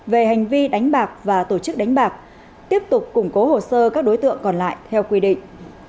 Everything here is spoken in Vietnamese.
về hành vi đánh bạc và tổ chức đánh bạc tiếp tục củng cố hồ sơ các đối tượng còn lại theo quy định